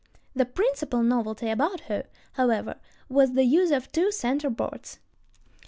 The principal novelty about her, however, was the use of two "center boards."